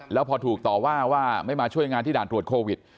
แล้วพอถูกต่อว่าว่าไม่มาช่วยงานที่ด่านตรวจโควิด